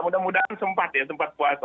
mudah mudahan sempat ya tempat puasa